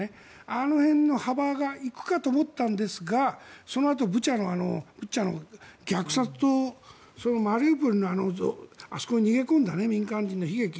あの辺の幅が行くかと思ったんですがそのあとブチャの虐殺やそのマリウポリのあそこに逃げ込んだ民間人の悲劇